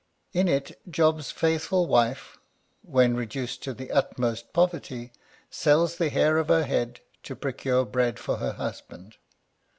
In it Job's faithful wife, when reduced to the utmost poverty, sells the hair of her head to procure bread for her husband.